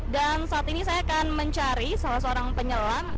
dan saat ini saya akan mencari salah seorang penyelam